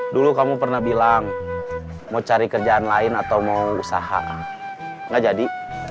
dulu kamu pernah bilang mau cari kerjaan lain atau mau usaha nggak jadi